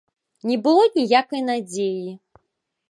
Не было ніякай надзеі.